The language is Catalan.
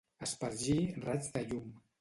Espargir raigs de llum.